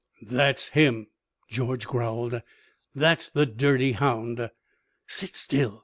"That's him!" George growled, "That's the dirty hound!" "Sit still!"